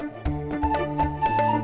lagi lumayan mem argent